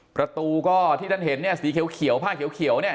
ประตูก็ที่ท่านเห็นเนี่ยสีเขียวผ้าเขียวเนี่ย